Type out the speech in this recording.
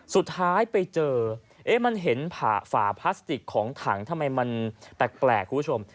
สุดท้ายไปเจอเอ๊ะมันเห็นฝาพลาสติกของถังทำไมมันแปลกคุณผู้ชม